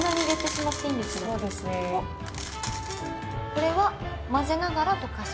これは混ぜながら溶かす？